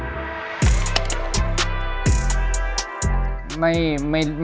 แต่ว่ามันเกินระดับฮอบบี้มาไกลแล้วแหละ